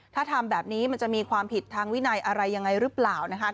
ถ้าทำแบบนี้มันจะมีความผิดทางวินัยอะไรยังไงหรือเปล่านะคะ